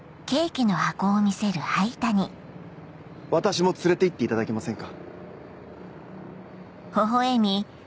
私も連れて行っていただけませんか？